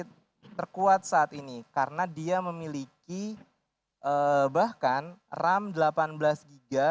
yang terkuat saat ini karena dia memiliki bahkan ram delapan belas gb